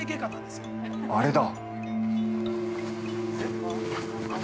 あれだ！